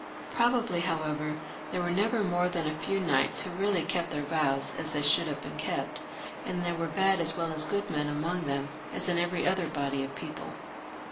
Probably, how ever, thete were never more than a few knights who really kept their vows as they should have been kept, and there were bad as well as good men among them, as in every other body of people.